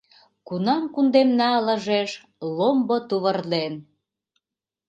Кунам кундемна ылыжеш ломбо тувыр ден